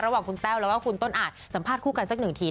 ระหว่างคุณแต้วแล้วก็คุณต้นอาจสัมภาษณ์คู่กันสักหนึ่งที